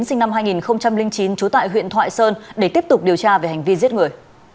sinh năm hai nghìn chín trú tại huyện thoại sơn để tiếp tục điều tra về hành vi giết người